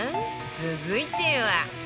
続いては